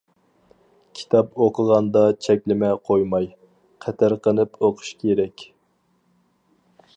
كىتاب ئوقۇغاندا چەكلىمە قويماي، قېتىرقىنىپ ئوقۇش كېرەك.